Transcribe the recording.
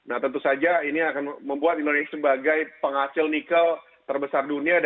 nah tentu saja ini akan membuat indonesia sebagai penghasil nikel terbesar dunia